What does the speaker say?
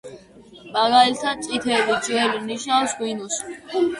მაგალითად, „წითელი“, „ძველი“, ნიშნავს ღვინოს.